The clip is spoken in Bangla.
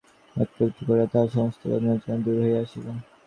একটু একটু করিয়া তাহার সমস্ত বেদনা যেন দূর হইয়া আসিল ।